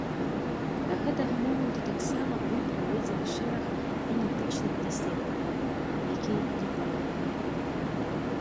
Да гэтага моманту таксама быў праведзены шэраг генетычных даследаванняў, якія не далі вынікаў.